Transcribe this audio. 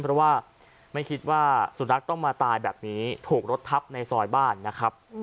เพราะว่าไม่คิดว่าสุนัขต้องมาตายแบบนี้ถูกรถทับในซอยบ้านนะครับ